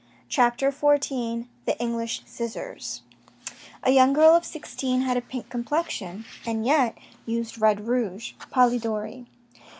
CHAPTER XIV THE ENGLISH SCISSORS A young girl of sixteen had a pink complexion, and yet used red rouge. — Polidori.